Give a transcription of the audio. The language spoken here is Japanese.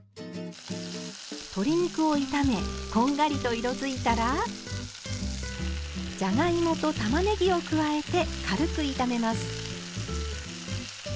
鶏肉を炒めこんがりと色づいたらじゃがいもとたまねぎを加えて軽く炒めます。